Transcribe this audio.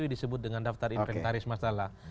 disebut dengan daftar inventaris masalah